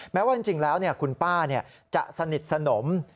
แม้ว่าจริงแล้วคุณป้าจะสนิทสนม